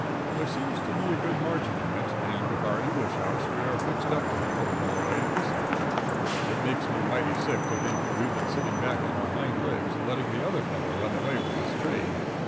There seems to be a good margin in it, and with our English house we are fixed up to handle it all right at this end. It makes me mighty sick to think that we've been sitting back on our hindlegs and letting the other fellow run away with this trade.